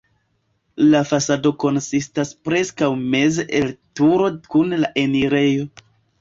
La fasado konsistas preskaŭ meze el turo kun la enirejo.